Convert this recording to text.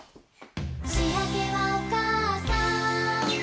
「しあげはおかあさん」